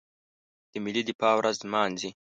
د ملي دفاع ورځ نمانځي.